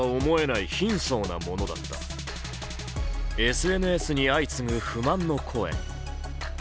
ＳＮＳに相次ぐ不満の声。